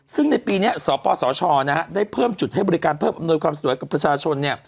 ซึ่งในปีนี้สปสชได้เพิ่มจุดให้บริการเพิ่มอำนวยความสะดวกกับประชาชน